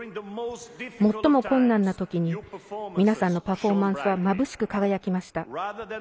最も困難なときに皆さんのパフォーマンスはまぶしく輝きました。